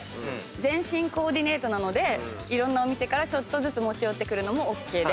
全身コーディネートなのでいろんなお店からちょっとずつ持ち寄ってくるのもＯＫです。